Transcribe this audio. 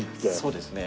そうですね。